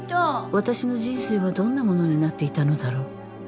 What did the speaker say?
私の人生はどんなものになっていたのだろう